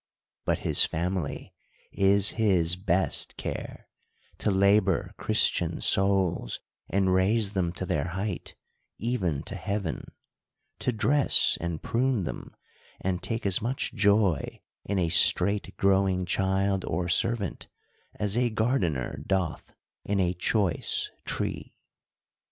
But his family is his best care : to labor Christian souls, and raise them to their height, even to heaven ; to dress and prune them, and take as much joy in a straight growing child or servant, as a gardener doth in a choice tree.